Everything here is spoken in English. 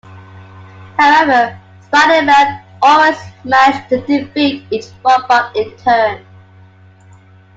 However, Spider-Man always managed to defeat each robot in turn.